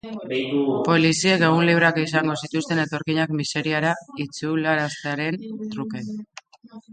Poliziek egun libreak izango zituzten etorkinak miseriara itzularaztearen truke.